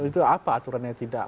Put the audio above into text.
itu apa aturannya tidak